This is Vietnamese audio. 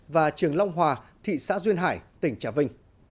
và trường long hòa thị xã duyên hải tỉnh trà vinh